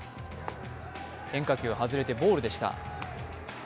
変化球が外れてボールでした。